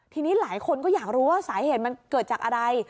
ทีนี้หลายคนก็อยากรู้ว่าสาเหตุมันเกิดจากอะไร